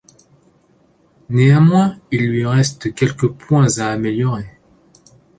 Néanmoins, il lui reste quelques points à améliorer.